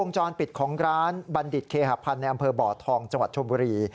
จรปิดของร้านบัณฑิตเคหพันธ์ในอำเภอบ่อทองจังหวัดชมบุรี